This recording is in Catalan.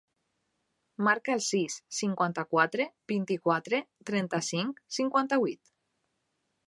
Marca el sis, cinquanta-quatre, vint-i-quatre, trenta-cinc, cinquanta-vuit.